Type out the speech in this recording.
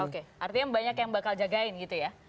oke artinya banyak yang bakal jagain gitu ya